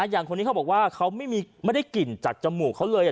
อย่างคนนี้เขาบอกว่าเขาไม่ได้กลิ่นจากจมูกเขาเลย